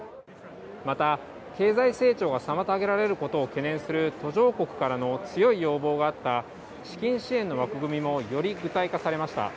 また経済成長が妨げられることを懸念する途上国からの強い要望があった資金支援の枠組みもより具体化されました。